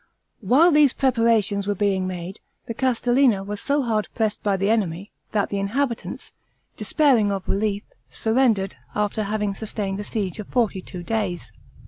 While these preparations were being made, the Castellina was so hard pressed by the enemy, that the inhabitants, despairing of relief, surrendered, after having sustained a siege of forty two days.